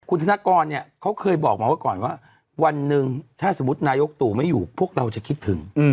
คุณธนกรเนี่ยเขาเคยบอกมาว่าก่อนว่าวันหนึ่งถ้าสมมุตินายกตู่ไม่อยู่พวกเราจะคิดถึง